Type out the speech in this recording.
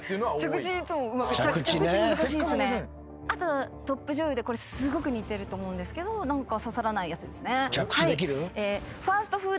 あとトップ女優ですごく似てると思うんですけど何か刺さらないやつですね。